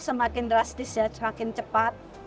semakin drastis ya semakin cepat